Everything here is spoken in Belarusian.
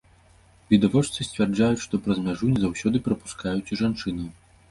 Відавочцы сцвярджаюць, што праз мяжу не заўсёды прапускаюць і жанчынаў.